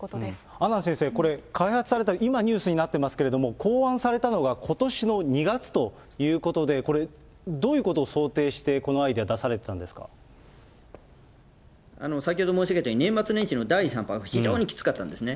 阿南先生、これ、開発された、今ニュースになってますけれども、考案されたのはことしの２月ということで、これ、どういうことを想定して、このアイデア、先ほど申し上げたように、年末年始の第３波が非常にきつかったんですね。